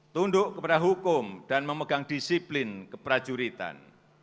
tunduk kepada hukum dan memegang disiplin keprajuritan